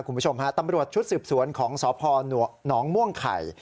คุณผู้ชมฮะตำรวจชุดสืบสวนของสพหนองม่วงไข่